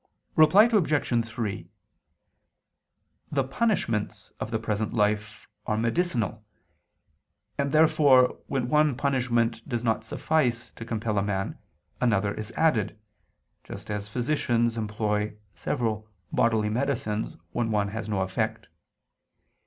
Reply Obj. 3: The punishments of the present life are medicinal, and therefore when one punishment does not suffice to compel a man, another is added: just as physicians employ several bod[il]y medicines when one has no effect.